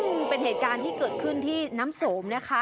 ซึ่งเป็นเหตุการณ์ที่เกิดขึ้นที่น้ำสมนะคะ